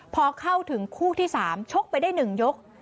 พอเข้าถึงคู่ที่๓ชกไปได้๑ยก